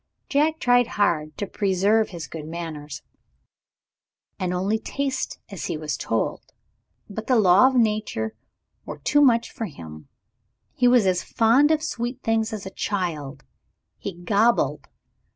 Jack tried hard to preserve his good manners, and only taste as he was told. But the laws of Nature were too much for him. He was as fond of sweet things as a child he gobbled.